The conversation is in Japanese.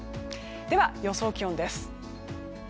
では、予想気温です。